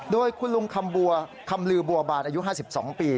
โดยคุณลุงคำบัวคำลือบัวบานอายุ๕๒ปี